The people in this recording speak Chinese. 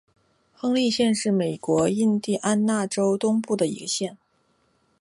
亨利县是美国印地安纳州东部的一个县。